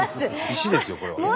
石ですよこれは。